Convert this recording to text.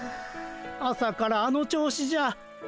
朝からあの調子じゃ。